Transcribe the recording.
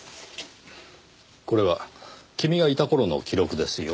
これは君がいた頃の記録ですよ。